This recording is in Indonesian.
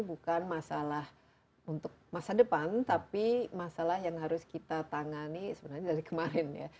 bukan masalah untuk masa depan tapi masalah yang harus kita tangani sebenarnya dari kemarin ya